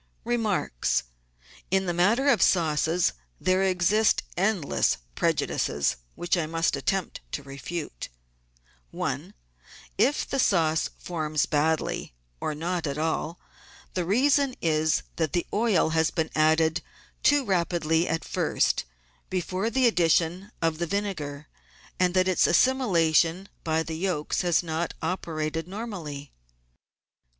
Remarks. — In the matter of sauces there exist endless preju dices, which I must attempt to refute :— 1. If the sauce forms badly, or not at all, the reason is that the oil has been added too rapidly at first, before the addition of the vinegar, and that its assimilation by the yolks has not operated normally.